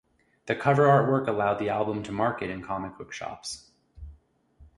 The cover art work allowed the album to market in comic book shops.